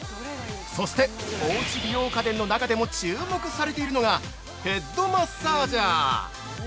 そして、おうち美容家電の中でも注目されているのがヘッドマッサージャー！